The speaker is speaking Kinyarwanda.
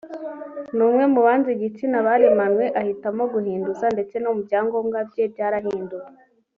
ni umwe mu banze igitsina baremanywe ahitamo kugihinduza ndetse no mu byangombwa bye byarahinduwe